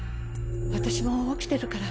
私も起きてるから。